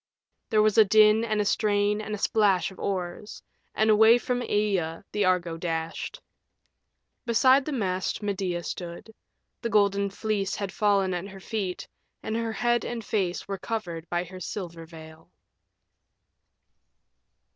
There was a din and a strain and a splash of oars, and away from Aea the Argo dashed. Beside the mast Medea stood; the Golden Fleece had fallen at her feet, and her head and face were covered by her silver veil.